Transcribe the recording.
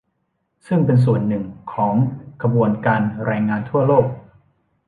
ซึ่งเป็นส่วนหนึ่งของขบวนการแรงงานทั่วโลก